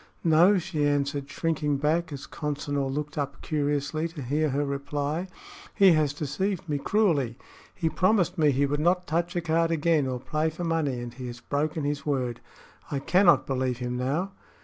"No," she answered, shrinking back as Consinor looked up curiously to hear her reply. "He has deceived me cruelly. He promised me he would not touch a card again, or play for money, and he has broken his word. I cannot believe him now."